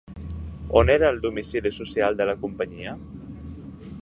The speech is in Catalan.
On era el domicili social de la companyia?